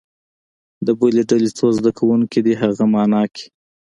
د بلې ډلې څو زده کوونکي دې هغه معنا کړي.